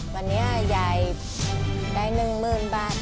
วันนี้ยายได้๑๐๐๐บาท